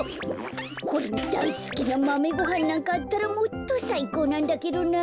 これにだいすきなマメごはんなんかあったらもっとさいこうなんだけどな。